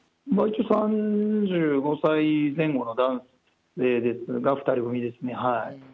３５歳前後の男性が、２人組ですね。